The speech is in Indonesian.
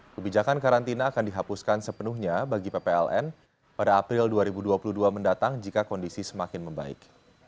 kebijakan karantina akan dihapuskan sepenuhnya bagi ppln pada april dua ribu dua puluh dua mendatang jika kondisi semakin membaik